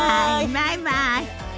バイバイ！